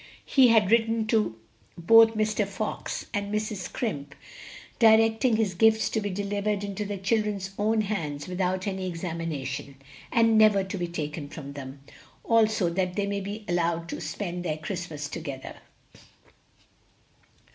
He had written to both Mr. Fox and Mrs. Scrimp directing his gifts to be delivered into the children's own hands without any examination, and never to be taken from them. Also that they be allowed to spend their Christmas together.